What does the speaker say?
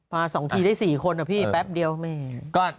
ป่าสองทีได้สี่คนอ่ะพี่แป๊บเดียวไม่เห็น